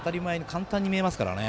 簡単に見えますからね。